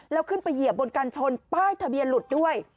แล้วขึ้นไปเหยียบบนกันชนป้ายทะเบียนหลุดด้วย